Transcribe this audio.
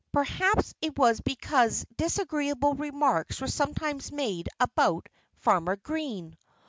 Perhaps it was because disagreeable remarks were sometimes made about Farmer Green!